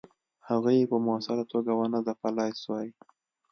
هغوی یې په موثره توګه ونه ځپلای سوای.